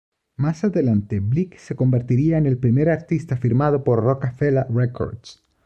Más adelante, Bleek se convertiría en el primer artista firmado por Roc-a-Fella Records.